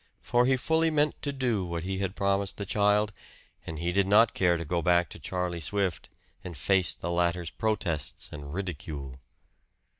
For he fully meant to do what he had promised the child, and he did not care to go back to Charlie Swift, and face the latter's protests and ridicule.